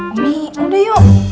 omi udah yuk